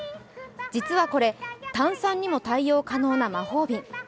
実はこれ炭酸にも対応可能な魔法瓶。